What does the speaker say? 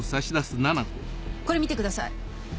これ見てください。